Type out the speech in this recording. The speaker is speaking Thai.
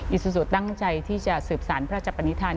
อิสุสุตั้งใจที่จะสืบสารพระจับปณิธาน